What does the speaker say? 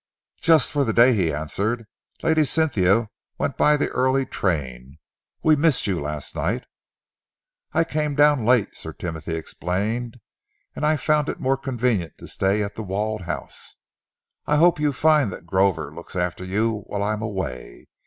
"Just for the day," he answered. "Lady Cynthia went by the early train. We missed you last night." "I came down late," Sir Timothy explained, "and I found it more convenient to stay at The Walled House. I hope you find that Grover looks after you while I am away?